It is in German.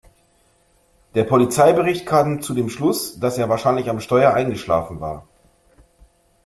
Der Polizeibericht kam zu dem Schluss, dass er wahrscheinlich am Steuer eingeschlafen war.